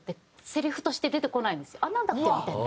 なんだっけ？みたいな。